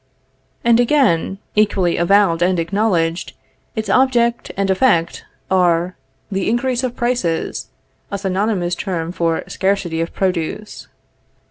And again, equally avowed and acknowledged, its object and effect are, the increase of prices; a synonymous term for scarcity of produce.